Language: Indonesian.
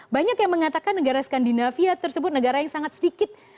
banyak yang mengatakan negara skandinavia tersebut negara yang sangat sedikit